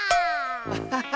アッハハ！